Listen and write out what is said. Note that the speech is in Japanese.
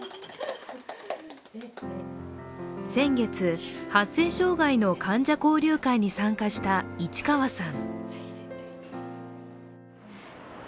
先月、発声障害の患者交流会に参加した市川さん。